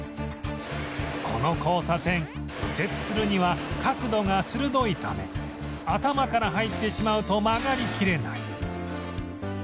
この交差点右折するには角度が鋭いため頭から入ってしまうと曲がりきれない